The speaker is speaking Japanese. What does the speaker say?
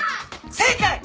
正解。